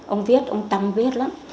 ông viết ông tâm viết lắm